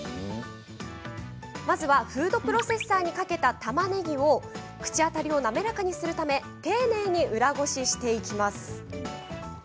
まずはフードプロセッサーにかけた、たまねぎを口当たりを滑らかにするため丁寧に裏ごしをしていきます。